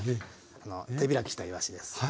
あの手開きしたいわしです。